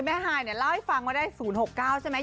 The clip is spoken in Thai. ฮายเนี่ยเล่าให้ฟังว่าได้๐๖๙ใช่ไหม